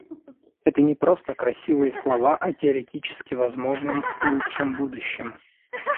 Это не просто красивые слова о теоретически возможном лучшем будущем.